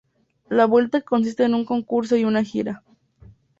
La vuelta consiste en un concurso y una gira.